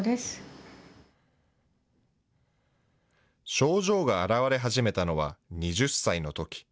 症状が現れ始めたのは２０歳のとき。